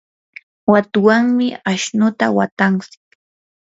watuwanmi ashnuta watantsik.